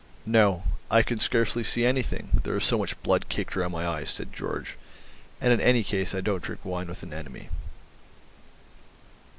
"No, I can scarcely see anything; there is so much blood caked round my eyes," said Georg, "and in any case I don't drink wine with an enemy."